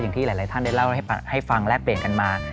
อย่างที่หลายท่านได้เล่าให้ฟังแลกเปลี่ยนกันมา